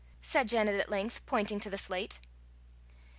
said Janet at length, pointing to the slate.